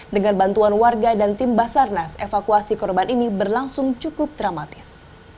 dengan bantuan warga dan tim basarnas evakuasi korban ini berlangsung cukup dramatis